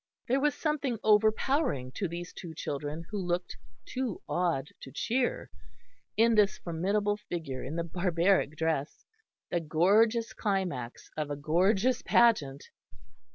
There was something overpowering to these two children who looked, too awed to cheer, in this formidable figure in the barbaric dress, the gorgeous climax of a gorgeous pageant.